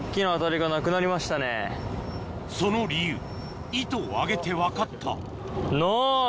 その理由糸を上げて分かったない。